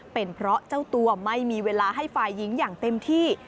เป็นเพราะเจ้าตัวไม่มีเวลาให้ฝ่ายหญิงอย่างเต็มที่